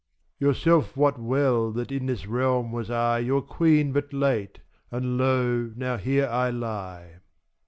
1 Yourself wot well that in this realm was I Your queen but late, and lo now here I lie.